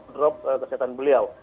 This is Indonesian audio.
drop kesehatan beliau